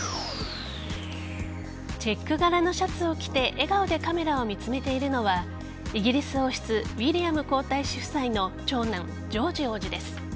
チェック柄のシャツを着て笑顔でカメラを見つめているのはイギリス王室ウィリアム皇太子夫妻の長男ジョージ王子です。